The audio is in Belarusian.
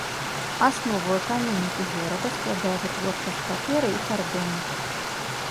Аснову эканомікі горада складае вытворчасць паперы і кардону.